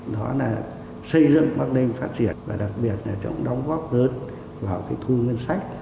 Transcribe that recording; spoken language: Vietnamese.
đó là xây dựng bác đêm phát triển và đặc biệt là chúng đóng góp lớn vào cái thu ngân sách